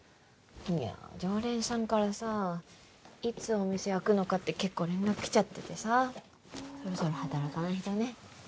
いや常連さんからさいつお店開くのかって結構連絡来ちゃっててさそろそろ働かないとね